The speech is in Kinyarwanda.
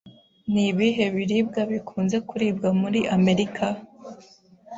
Ni ibihe biribwa bikunze kuribwa muri Amerika?